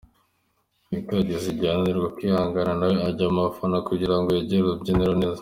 Linca yageze igihe ananirwa kwihangana nawe ajya mu bafana kugira ngo yegere urubyiniro neza.